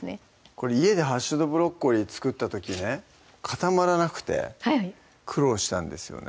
これ家で「ハッシュドブロッコリー」作った時ね固まらなくて苦労したんですよね